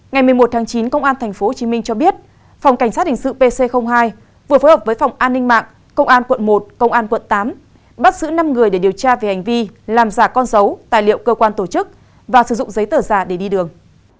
ngày một mươi một tháng chín công an tp hcm cho biết phòng cảnh sát hình sự pc hai vừa phối hợp với phòng an ninh mạng công an quận một công an quận tám bắt giữ năm người để điều tra về hành vi làm giả con dấu tài liệu cơ quan tổ chức và sử dụng giấy tờ giả để đi đường